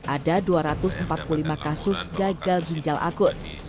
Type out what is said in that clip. ada dua ratus empat puluh lima kasus gagal ginjal akut